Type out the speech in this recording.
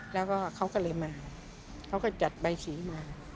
แล้วก็เขาก็เลยมาเขาก็จัดใบสีมา